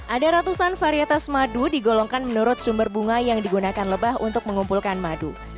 ada ratusan varietas madu digolongkan menurut sumber bunga yang digunakan lebah untuk mengumpulkan madu